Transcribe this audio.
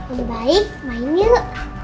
udah baik main yuk